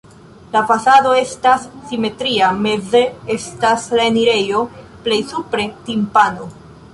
La fasado estas simetria, meze estas la enirejo, plej supre timpano.